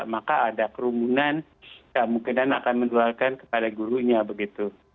maka ada kerumunan kemungkinan akan menularkan kepada gurunya begitu